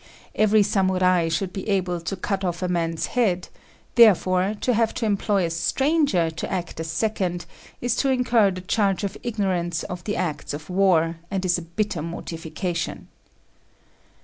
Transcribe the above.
Every Samurai should be able to cut off a man's head: therefore, to have to employ a stranger to act as second is to incur the charge of ignorance of the arts of war, and is a bitter mortification.